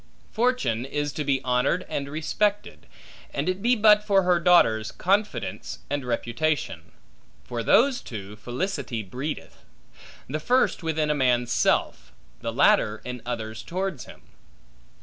Fortune is to be honored and respected, and it be but for her daughters, Confidence and Reputation. For those two, Felicity breedeth; the first within a man's self, the latter in others towards him.